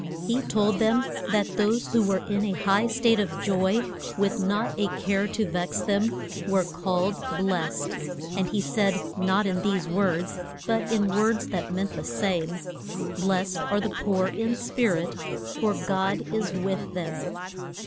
He told them that those who were in a high state of joy, with not a care to vex them, were called blest. And he said, not in these words, but in words that meant the same: Blest are the poor in spirit, for God is with them.